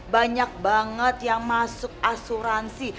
banyak banget yang masuk asuransi